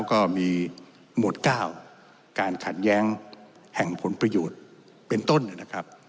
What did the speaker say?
ก็มีหมวด๙การขัดแย้งแห่งผลประโยชน์เป็นต้นนะครับ